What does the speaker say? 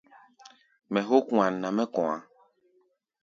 Mɛ hók wan nɛ mɛ́ kɔ̧á̧.